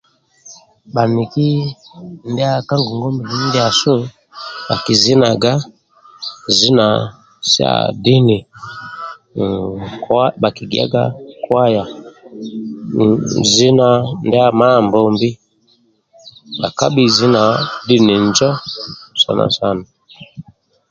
baniki ndiba ka ngongwambili ndiasu bakilimbaga limbo sa dini bagiya kwaya limbo ndia Amanbombi bakabi limbo sa dini sini sini